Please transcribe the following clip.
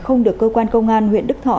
không được cơ quan công an huyện đức thọ